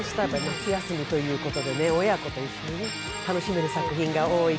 夏休みということで親子で楽しめる作品が多い。